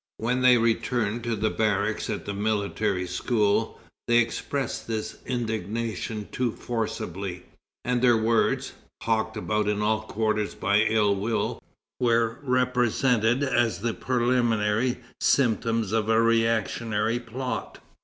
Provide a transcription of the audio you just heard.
When they returned to their barracks at the Military School, they expressed this indignation too forcibly, and their words, hawked about in all quarters by ill will, were represented as the preliminary symptoms of a reactionary plot.